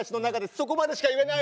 そこまでしか言えない！